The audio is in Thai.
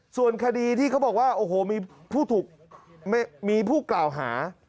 ส่วนคดีที่เขาบอกว่าโอ้โหมีผู้กล่าวหา